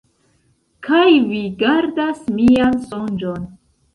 Kaj vi gardas mian sonĝon.